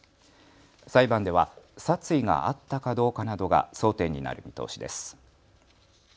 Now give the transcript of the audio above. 裁判では殺意があったかどうかなどが争点になる見通しです。